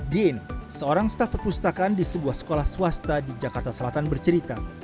dian seorang staf perpustakaan di sebuah sekolah swasta di jakarta selatan bercerita